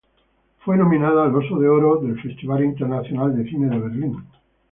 Fue nominada al Oso de Oro del Festival Internacional de Cine de Berlín.